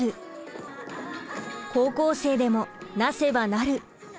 「高校生でもなせばなる！」。